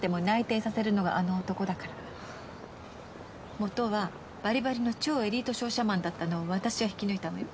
元はばりばりの超エリート商社マンだったのを私が引き抜いたのよ。